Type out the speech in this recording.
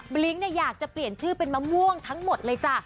ลิ้งเนี่ยอยากจะเปลี่ยนชื่อเป็นมะม่วงทั้งหมดเลยจ้ะ